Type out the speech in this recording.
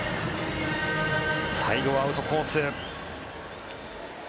最後はアウトコース。